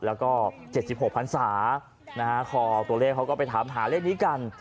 แล้วก็๗๖พันศาคอตัวเลขเขาก็ไปถามหาเลขนี้กัน